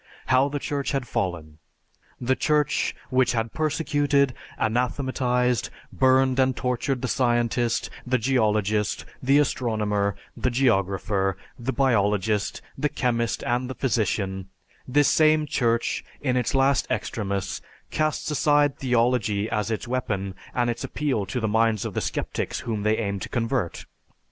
How the Church had fallen! The Church which had persecuted, anathematized, burned, and tortured the scientist, the geologist, the astronomer, the geographer, the biologist, the chemist, and the physician; this same Church in its last extremus, casts aside theology as its weapon and its appeal to the minds of the sceptics whom they aim to convert.